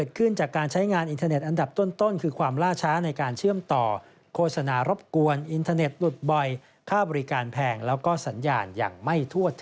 ดังนี้มากกว่า